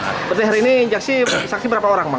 seperti hari ini saksi berapa orang bang